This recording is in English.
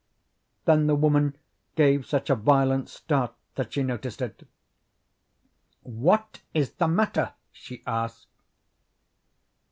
Then the woman gave such a violent start that she noticed it. "What is the matter?" she asked.